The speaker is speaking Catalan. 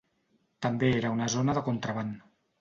També era una zona de contraban.